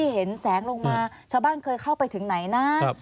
เห็นแสงลงมาชาวบ้านเคยเข้าไปถึงไหนนะ